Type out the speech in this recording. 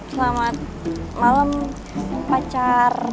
selamat malam pacar